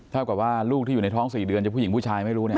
เท่ากับว่าลูกที่อยู่ในท้อง๔เดือนจะผู้หญิงผู้ชายไม่รู้เนี่ย